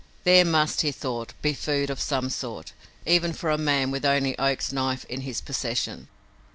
There must, he thought, be food of some sort, even for a man with only Oak's knife in his possession!